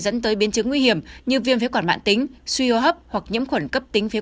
dẫn tới biến chứng nguy hiểm như viêm phế quản mạng tính suy hô hấp hoặc nhiễm khuẩn cấp tính phế